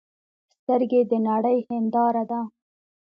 سترګې د نړۍ هنداره ده